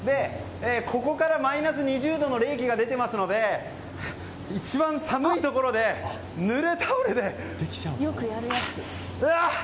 ここからマイナス２０度の冷気が出ていますので一番寒いところでぬれタオルで。